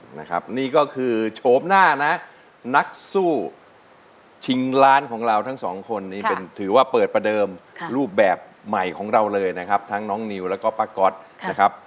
นะครับนี่ก็คือโฉมหน้านะนักสู้ชิงล้านของเราทั้งสองคนนี้เป็นถือว่าเปิดประเดิมรูปแบบใหม่ของเราเลยนะครับทั้งน้องนิวแล้วก็ป้าก๊อตนะครับ